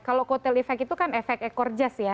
kalau kotel efek itu kan efek ekor jas ya